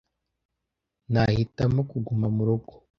Nahitamo kuguma murugo